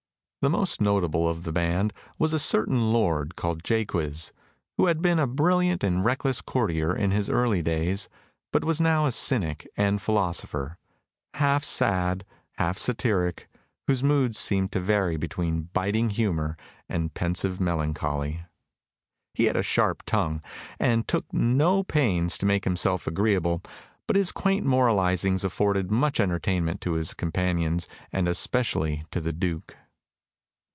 The most notable of the band was a certain lord called Jaques, who had been a brilliant and reckless courtier in his early days, but was now a cynic and philosopher, half sad, half satiric, whose moods seemed to vary between biting humour and pensive melancholy. He had a sharp tongue, and took no pains to make himself agreeable, but his quaint moralisings afforded much entertainment to his companions, and especially to the Duke.